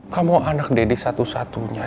kamu anak deddy satu satunya